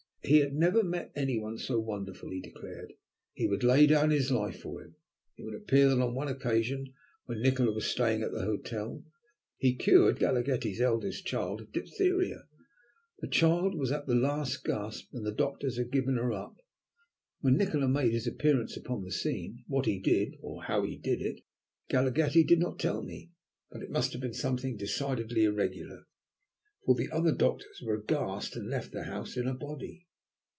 He had never met any one so wonderful, he declared. He would lay down his life for him. It would appear that, on one occasion, when Nikola was staying at the hotel, he cured Galaghetti's eldest child of diphtheria. The child was at the last gasp and the doctors had given her up, when Nikola made his appearance upon the scene. What he did, or how he did it, Galaghetti did not tell me, but it must have been something decidedly irregular, for the other doctors were aghast and left the house in a body.